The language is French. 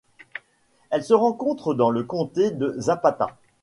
Elle se rencontre dans le comté de Zapata.